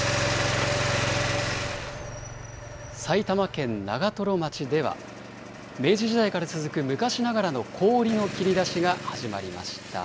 埼玉県長瀞町では、明治時代から続く昔ながらの氷の切り出しが始まりました。